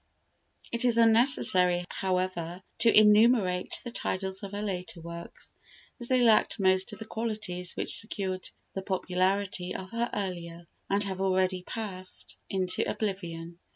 It is unnecessary, however, to enumerate the titles of her later works, as they lacked most of the qualities which secured the popularity of her earlier, and have already passed into oblivion.